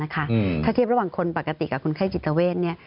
ถ้าเทียบระหว่างคนปกติกับคนไข้จิตเวท